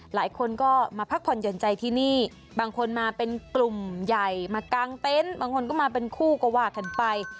หลายคนก็มาพักผ่อนหย่อนใจที่นี่บางคนมาเป็นกลุ่มใหญ่มากางเต็นต์บางคนก็มาเป็นคู่ก็ว่ากันไป